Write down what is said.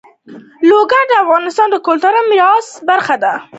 لوگر د افغانستان د کلتوري میراث برخه ده.